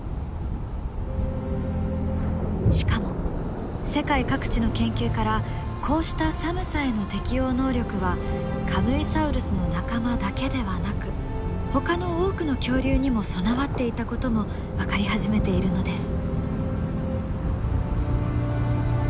しかも世界各地の研究からこうした寒さへの適応能力はカムイサウルスの仲間だけではなくほかの多くの恐竜にも備わっていたことも分かり始めているのです。